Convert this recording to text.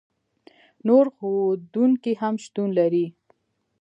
نور ښودونکي هم شتون لري.